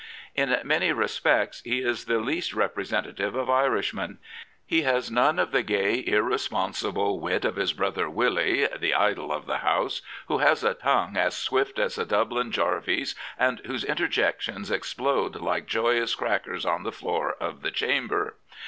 In many respects he is the least representative of Irishmen. He has none of the gay, irresponsible wit of his brother " Willie," the idol of the House, who has a tongue as swift as a Dublin jap^ey's, and whose interjections explode like joyous crackers on the floor of the Chamber.